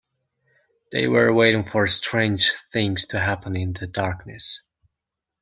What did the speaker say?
They were waiting for strange things to happen in the darkness.